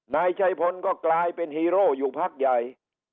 นายชัยพลก็กลายเป็นฮีโร่อยู่พักใหญ่